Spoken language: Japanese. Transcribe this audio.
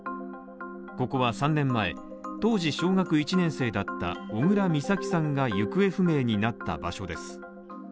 ここは３年前、当時、小学１年生だった小倉美咲さんが行方不明になった場所です。